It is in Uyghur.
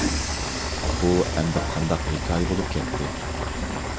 بۇ ئەمدى قانداق ھېكايە بولۇپ كەتتى؟